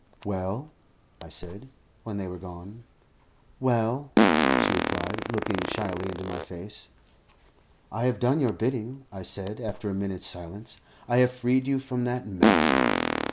"Well?" I said, when they were gone. "Well?" she replied, looking shyly into my face. "I have done your bidding," I said, after a minute's silence. "I have freed you from that man."